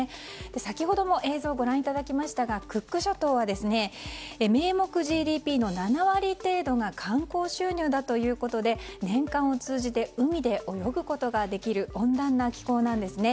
先ほども映像ご覧いただきましたがクック諸島は名目ＧＤＰの７割程度が観光収入ということで年間を通じて海で泳ぐことができる温暖な気候なんですね。